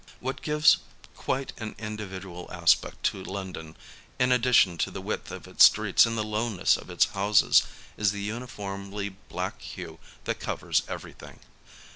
What gives quite an individual aspect to London, in ad dition to the width of its streets and the lowness of its houses, is the uniformly black hue that covers everything.